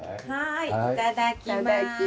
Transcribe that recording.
いただきます！